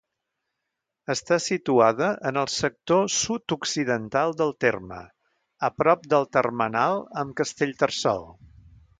Està situada en el sector sud-occidental del terme, a prop del termenal amb Castellterçol.